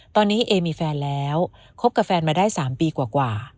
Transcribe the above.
ตอนนี้เอมีแฟนแล้วคบกับแฟนมาได้๓ปีกว่า